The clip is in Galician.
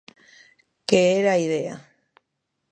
Que era a idea.